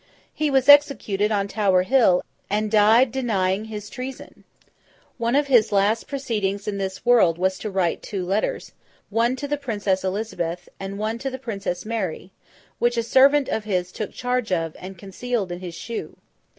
He was executed on Tower Hill, and died denying his treason. One of his last proceedings in this world was to write two letters, one to the Princess Elizabeth, and one to the Princess Mary, which a servant of his took charge of, and concealed in his shoe.